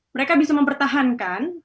mereka bisa mempertahankan